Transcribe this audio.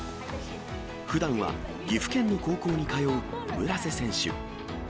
ふだんは岐阜県の高校に通う村瀬選手。